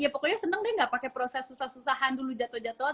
pokoknya seneng deh nggak pake proses susah susahan dulu jatoh jatohan